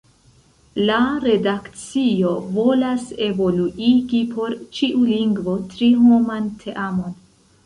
La redakcio volas evoluigi por ĉiu lingvo tri-homan teamon.